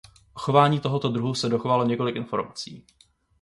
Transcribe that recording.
O chování tohoto druhu se dochovalo několik informací.